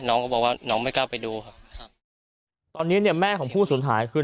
น้องก็บอกว่าน้องไม่กล้าไปดูครับครับตอนนี้เนี่ยแม่ของผู้สูญหายคือ